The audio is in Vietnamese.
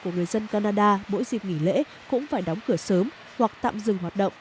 của người dân canada mỗi dịp nghỉ lễ cũng phải đóng cửa sớm hoặc tạm dừng hoạt động